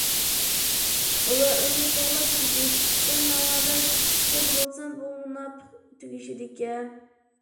ئۇلار ئۇنى قوغلاپ كېتىۋېتىپتىكەن. ناۋادا كېچىككەن بولسام بۇ مۇناپىق تۈگىشىدىكەن.